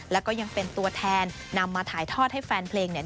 แล้วก็ยังเป็นตัวแทนนำมาถ่ายทอดให้แฟนเพลงเนี่ย